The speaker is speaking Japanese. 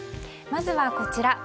まずは、こちら。